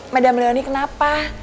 madame leoni kenapa